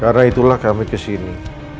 karena itulah kami kesini